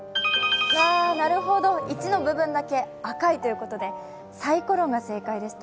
なるほど、１の部分だけ赤いということで、さいころが正解でした。